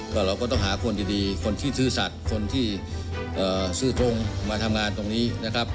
ก็เราก็ต้องหาคนดีคนที่ซื่อสัตว์คนที่ซื่อตรงมาทำงานตรงนี้นะครับ